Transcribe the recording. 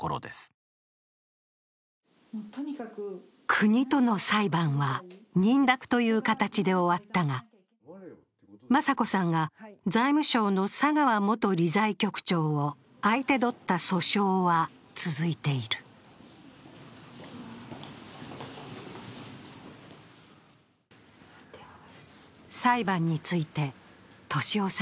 国との裁判は認諾という形で終わったが、雅子さんが財務省の佐川元理財局長を相手取った訴訟は続いている。